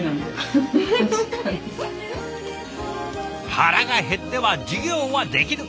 腹が減っては授業はできぬ。